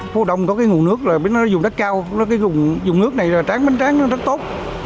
phố đông có cái nguồn nước là dùng đất cao dùng nước này tráng bánh tráng rất tốt